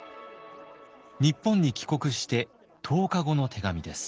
日本に帰国して１０日後の手紙です。